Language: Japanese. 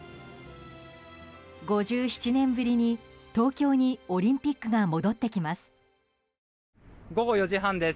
５７年ぶりに東京にオリンピックが戻ってきます。